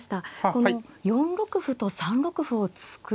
この４六歩と３六歩を突く